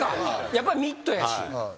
やっぱりミットやし。